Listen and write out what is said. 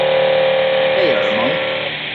贝尔蒙。